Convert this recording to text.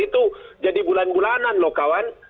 itu jadi bulan bulanan loh kawan